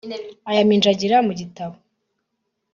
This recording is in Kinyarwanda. ayaminjagira ku gitabo